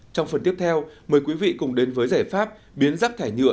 trong phần tiếp theo mời quý vị cùng đến với giải pháp biến rác thải nhựa